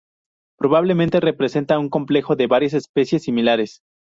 Probablemente representa un complejo de varias especies similares.